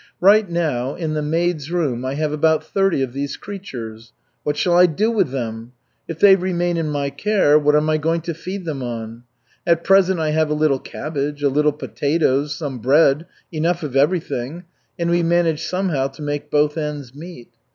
"Right now in the maids' room I have about thirty of these creatures. What shall I do with them? If they remain in my care, what am I going to feed them on? At present I have a little cabbage, a little potatoes, some bread, enough of everything; and we manage somehow to make both ends meet.